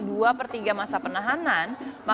jatian epa jayante